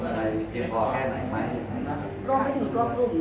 เพราะว่าเขาถือเป็นแกร่งใช่ไหมครับ